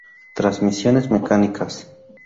Transmisiones mecánicas.